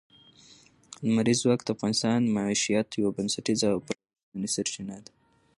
لمریز ځواک د افغانانو د معیشت یوه بنسټیزه او پوره رښتینې سرچینه ده.